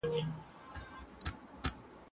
ایا په پوهنتون کې د ادبي ورځې لپاره بودیجه شته؟